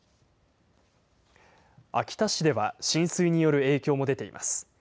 秋田市では浸水による影響も出ています。